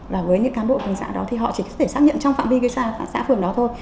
và với những cán bộ phường xã đó thì họ chỉ có thể xác nhận trong phạm vi xã phường đó thôi